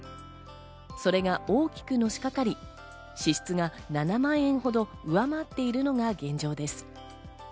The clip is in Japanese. それが大きくのしかかり支出が７万円ほど上回っているのが現状です。